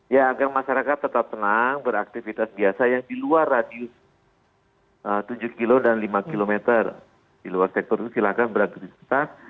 ya agar masyarakat tetap tenang beraktivitas biasa yang di luar radius tujuh km dan lima km di luar sektor itu silahkan beraktivitas